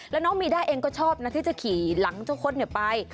แล้วน้องมีด้าเองก็ชอบนะที่จะขี่หลังเจ้าคดไป